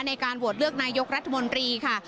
ในการโหวตเลือกนายกรัฐมนตรีค่ะ